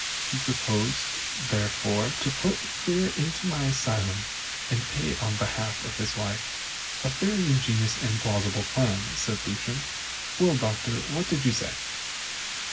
He proposed, therefore, to put Clear into my asylum, and pay on behalf of the wife." "A very ingenious and plausible plan," said Lucian. "Well, Doctor, and what did you say?"